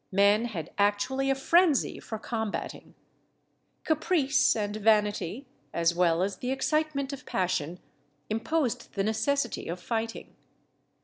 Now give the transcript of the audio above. Men had actually a frenzy for combating. Caprice and vanity, as well as the excitement of passion, imposed the necessity of fighting.